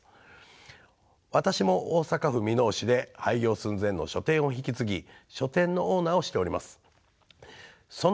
私も大阪府箕面市で廃業寸前の書店を引き継ぎ書店のオーナーをしております。